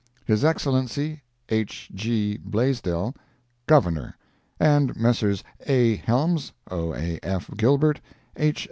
His Excellency H. G. Blasdel, Governor, and Messrs. A. Helm, O. A. F. Gilbert, H.